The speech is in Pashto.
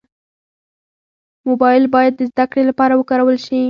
موبایل باید د زدهکړې لپاره وکارول شي.